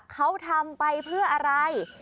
เขาทำไปเพื่ออะไร